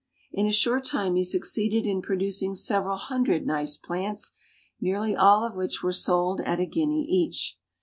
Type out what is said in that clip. In a short time he succeeded in producing several hundred nice plants, nearly all of which were sold at a guinea each.